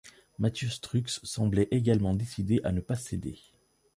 Mathieu Strux semblait également décidé à ne pas céder.